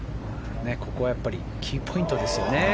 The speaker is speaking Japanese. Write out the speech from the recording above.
ここはキーポイントですよね。